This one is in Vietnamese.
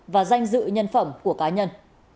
và giữ nhân phẩm của cá nhân